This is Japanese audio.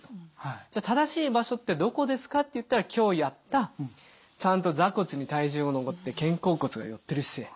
じゃあ正しい場所ってどこですかっていったら今日やったちゃんと座骨に体重を乗せて肩甲骨が寄ってる姿勢。